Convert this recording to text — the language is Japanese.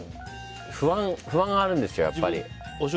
不安があるんです、やっぱり。